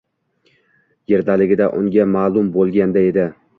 — Yerdaligida unga ma’lum bo‘lganida edi